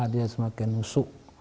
dia semakin nusuk